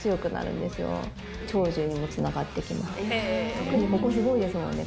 特にここすごいですもんね。